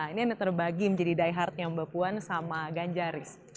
ini yang terbagi menjadi diehardnya mbak puan sama ganjaris